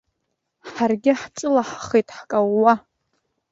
Ҳаргьы хҿылаҳхеит ҳкаууа.